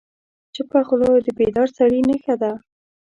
چپه خوله، د بیدار سړي نښه ده.